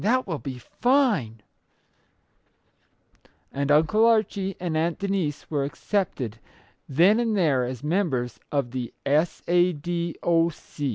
That will be fine !" And Uncle Archie and Aunt Denise were accepted then and there as members of the S. A. D. O.